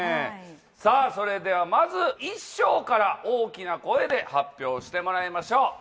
さあそれではまずいっしょうから大きな声で発表してもらいましょう。